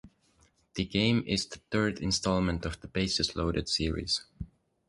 The game is the third installment of the "Bases Loaded" series.